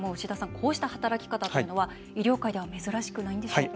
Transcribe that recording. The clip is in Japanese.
こうした働き方というのは医療界では珍しくないんでしょうか？